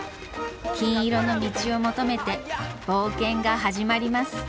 金色の道を求めて冒険が始まります。